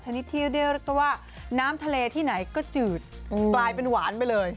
ที่เรียกได้ว่าน้ำทะเลที่ไหนก็จืดกลายเป็นหวานไปเลย